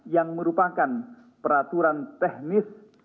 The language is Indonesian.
yang merupakan peraturan teknis